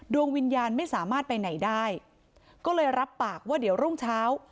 ดวงวิญญาณไม่สามารถไปไหนได้ก็เลยรับปากว่าเดี๋ยวรุ่งเช้า